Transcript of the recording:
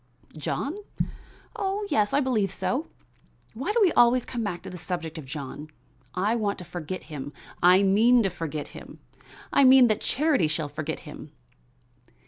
"John? Oh, yes, I believe so. Why do we always come back to the subject of John? I want to forget him; I mean to forget him; I mean that Charity shall forget him."